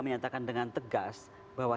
menyatakan dengan tegas bahwa